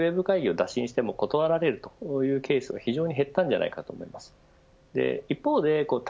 例えば取引先にウェブ会議を打診しても断られるというケースが非常に減ったと思います。